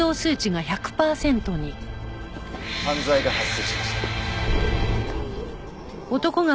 犯罪が発生しました。